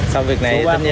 sau việc này tất nhiên